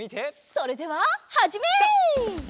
それでははじめ！